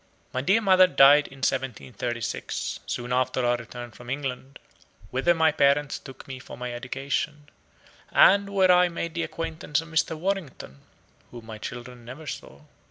My dear mother died in 1736, soon after our return from England, whither my parents took me for my education; and where I made the acquaintance of Mr. Warrington, whom my children never saw.